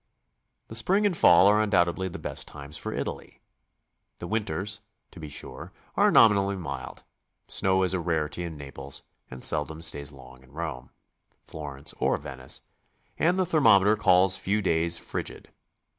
The spring and fall are undoubtedly the best times for Italy. The winters, to be sure, are nominally mild; snow is a rarity in Naples, and seldom stays long in Rome, Flor ence, or Venice; and the thermometer calls few days frigid.